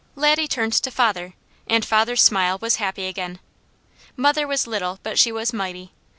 Laddie turned to father, and father's smile was happy again. Mother was little but she was mighty.